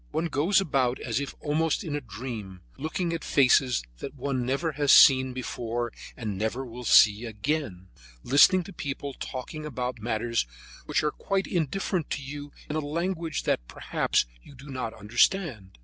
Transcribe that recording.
One goes about as if almost in a dream, looking at faces that one never has seen before and never will see again; listening to people talking about matters which are quite indifferent to you in a language that perhaps you do not understand.